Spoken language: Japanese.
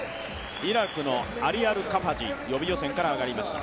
イラクのアリ・アル・カファジ予備予選から上がりました。